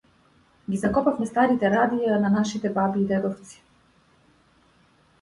Ги закопавме старите радија на нашите баби и дедовци.